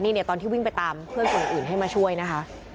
นี่เนี่ยตอนที่วิ่งไปตามเพื่อนคนอื่นให้มาช่วยนะคะ